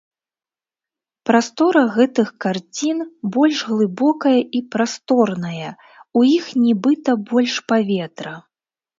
Прастора гэтых карцін больш глыбокая і прасторная, у іх нібыта больш паветра.